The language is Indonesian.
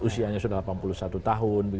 usianya sudah delapan puluh satu tahun